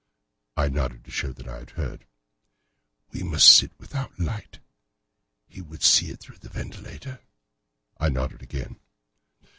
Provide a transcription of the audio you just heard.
I nodded to show that I had heard. "We must sit without light. He would see it through the ventilator." I nodded again.